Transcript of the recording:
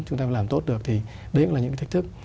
chúng ta làm tốt được thì đấy cũng là những cái thách thức